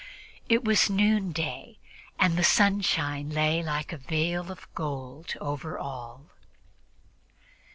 It was noonday, and the sunshine lay like a veil of gold over all.